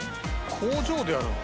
工場でやるの？